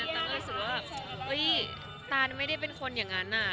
ตาก็รู้สึกว่าแบบตานไม่ได้เป็นคนอย่างนั้น